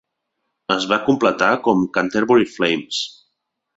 Es va completar com "Canterbury Flames".